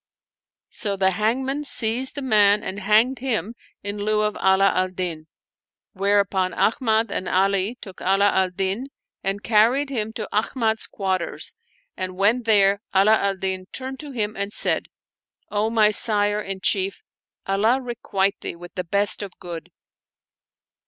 So the hangman seized the man and hanged him in lieu of Ala al Din ; whereupon Ahmad and Ali took Ala al Din and carried him to Ahmad's quarters and, when there, Ala al Din turned to him and said, "O my sire and chief, Allah requite thee with the best of good